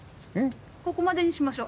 ここまでにしましょう。